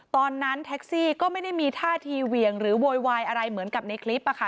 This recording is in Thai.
ตอนนั้นแท็กซี่ก็ไม่ได้มีท่าทีเหวี่ยงหรือโวยวายอะไรเหมือนกับในคลิปอะค่ะ